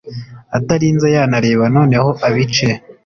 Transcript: atarinze yanareba noneho abice